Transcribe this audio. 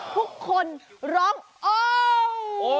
ทุกคนร้องโอ